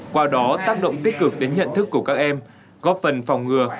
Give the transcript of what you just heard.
qua đó tác động tích cực đến nhận thức của các em góp phần phòng ngừa